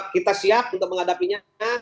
kita siap untuk mengadapinya